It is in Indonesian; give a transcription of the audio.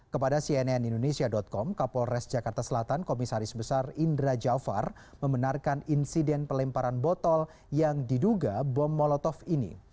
kepada cnn indonesia com kapolres jakarta selatan komisaris besar indra jafar membenarkan insiden pelemparan botol yang diduga bom molotov ini